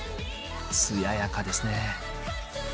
艶やかですね。